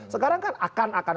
sekarang kan akan akan